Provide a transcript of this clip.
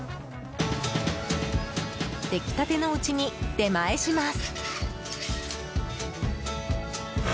出来立てのうちに出前します。